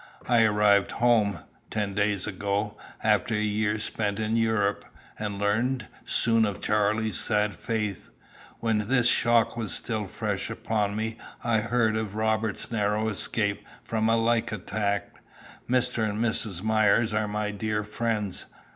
I arrived home, ten days ago, after a year spent in Europe, and learned, soon, of Charlie's sad fate. While this shock was still fresh upon me, I heard of Robert's narrow escape from a like attack. Mr. and Mrs. Myers are my dear friends.